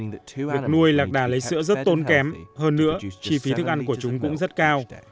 vì việc nuôi lạc đà lấy sữa rất tôn kém hơn nữa chi phí thức ăn của chúng cũng rất cao